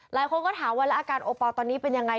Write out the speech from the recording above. หลายคนก็ถามว่าแล้วอาการโอปอลตอนนี้เป็นยังไง